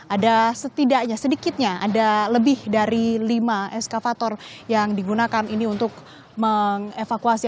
ada setidaknya sedikitnya ada lebih dari lima eskavator yang digunakan ini untuk mengevakuasi